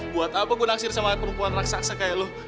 buat apa gue naksir sama perempuan raksasa kayak lo